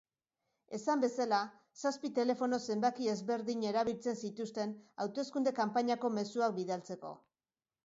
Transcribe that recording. Esan bezala, zazpi telefono zenbaki ezberdin erabiltzen zituzten hauteskunde kanpainako mezuak bidaltzeko.